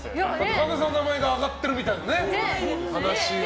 神田さんの名前が挙がってるみたいな話がね。